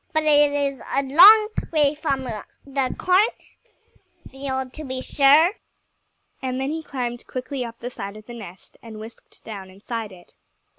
"But it is a long way from the cornfield, to be sure." And then he climbed quickly up the side of the nest and whisked down inside it.